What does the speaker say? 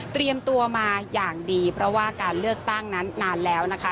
ตัวมาอย่างดีเพราะว่าการเลือกตั้งนั้นนานแล้วนะคะ